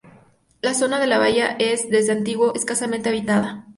La zona de la bahía es, desde antiguo, escasamente habitada.